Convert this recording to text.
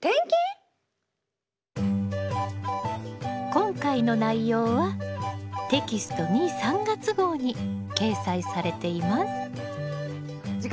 今回の内容はテキスト２・３月号に掲載されています。